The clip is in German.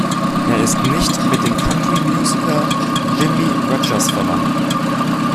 Er ist nicht mit dem Country-Musiker Jimmie Rodgers verwandt.